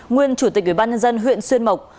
nguyên chủ tịch ubnd huyện xuyên mộc